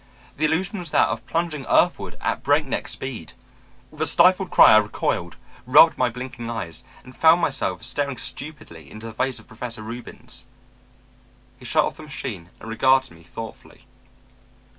The illusion was that of plunging earthward at breakneck speed. With a stifled cry, I recoiled, rubbed my blinking eyes, and found myself staring stupidly into the face of Professor Reubens. He shut off the machine and regarded me thoughtfully.